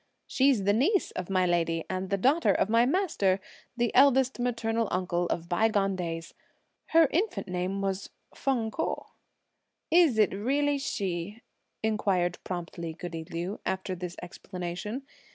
She's the niece of my lady, and the daughter of my master, the eldest maternal uncle of by gone days. Her infant name was Feng Ko." "Is it really she?" inquired promptly goody Liu, after this explanation.